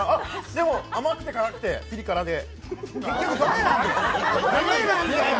でも、甘くて、辛くて、ピリ辛で。